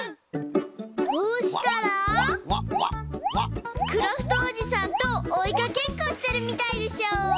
こうしたらクラフトおじさんとおいかけっこしてるみたいでしょ。